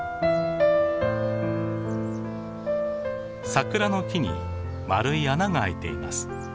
桜の木に丸い穴が開いています。